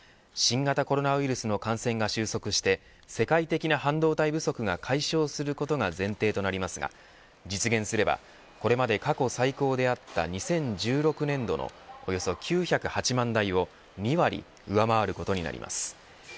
新型コロナウイルスの感染が収束して世界的な半導体不足が解消することが前提となりますが実現すればこれまで過去最高であった２０１６年度のおよそ９０８万台を２割上回ることになります。